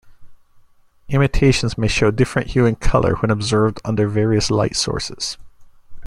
Imitations may show different hue and colour when observed under various light sources.